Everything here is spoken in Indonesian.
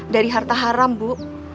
dari harta haram bu